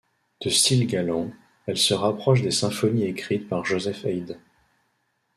De style galant, elles se rapprochent des symphonies écrites par Joseph Haydn.